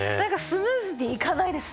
スムーズにいかないですね。